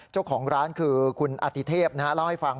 เจ้าของร้านคือคุณอติเทพเล่าให้ฟัง